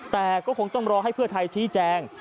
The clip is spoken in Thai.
แต่ก็คงต้องรอให้เพื่อไทยชี้แจง